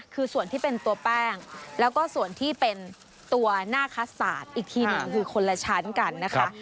คือส่วนที่เป็นตัวแป้งแล้วก็ส่วนที่เป็นตัวหน้าคัสศาสตร์อีกทีหนึ่งคือคนละชั้นกันนะคะ